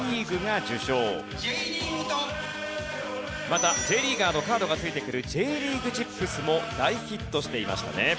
またＪリーガーのカードがついてくるＪリーグチップスも大ヒットしていましたね。